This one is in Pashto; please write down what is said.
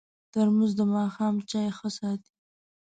ترموز د ماښام چای ښه ساتي.